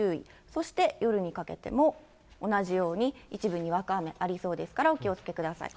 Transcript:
そして夜にかけても同じように、一部、にわか雨ありそうですから、お気をつけください。